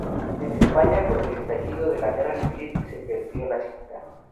En España, con el estallido de la Guerra Civil, se perdió la cinta.